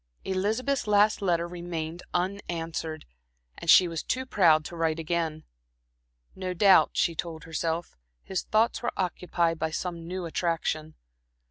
Elizabeth's last letter remained unanswered, and she was too proud to write again. No doubt, she told herself, his thoughts were occupied by some new attraction.